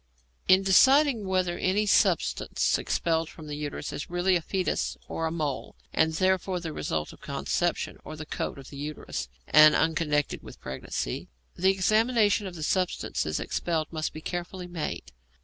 In deciding whether any substance expelled from the uterus is really a foetus or a mole, and therefore the result of conception, or the coat of the uterus, and unconnected with pregnancy, the examination of the substances expelled must be carefully made.